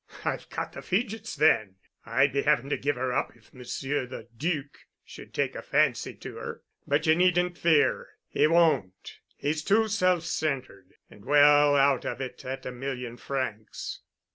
"I've got the fidgets, then. I'd be having to give her up if Monsieur the Duc should take a fancy to her—but ye needn't fear. He won't. He's too self centered, and well out of it at a million francs.